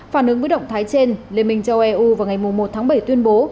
phản ứng với động thái trên liên minh châu eu vào ngày một tháng bảy tuyên bố